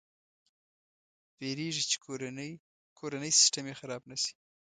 ویرېږي چې کورنی سیسټم یې خراب نه شي.